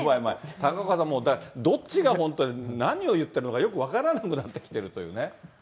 高岡さん、だからもう、どっちが本当で、何を言ってるのかよく分からなくなってきているというね。